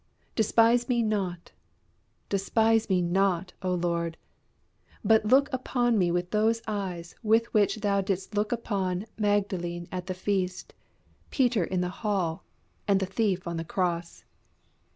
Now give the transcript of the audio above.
Despise me not, despise me not, O Lord. But look upon me with those eyes with which Thou didst look upon Magdalene at the feast, Peter in the hall, and the thief on the cross.